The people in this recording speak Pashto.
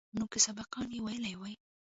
نو که سبقان يې ويلي واى.